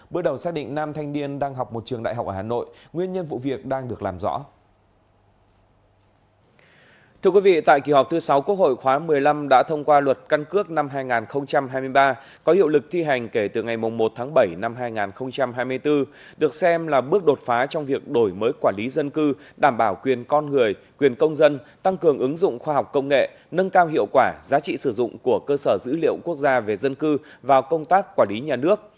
bữa đầu xác định nam thanh niên đang học một trường đại học ở hà nội nguyên nhân vụ việc đang được làm rõ